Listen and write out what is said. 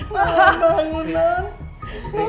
bangun bangun bangun